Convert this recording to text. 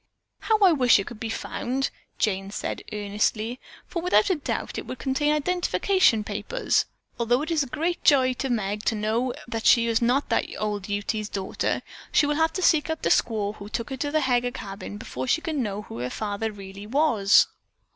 "How I wish it could be found," Jane said earnestly, "for without doubt it would contain identification papers. Although it is a great joy to Meg to know that she is not that old Ute's daughter, she will have to seek out the squaw who took her to the Heger cabin before she can know who her father really was."